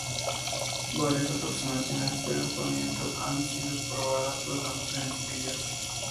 Varias aproximaciones de agrupamiento han sido probadas basándose en semillas.